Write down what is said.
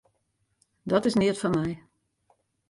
Dat is neat foar my.